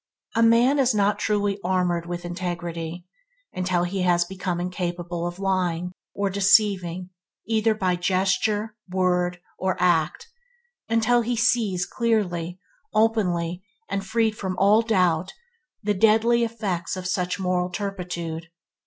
A man is not truly armoured with integrity until he has become incapable of lying or deceiving either by gesture, word, or act; until he sees, clearly, openly, and freed from all doubt, the deadly effects of such moral turpitude.